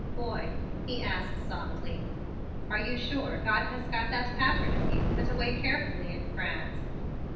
"Boy," he asked softly, "are you sure God has got that pattern of you put away carefully in France?"